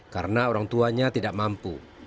karena orang tuanya tidak mampu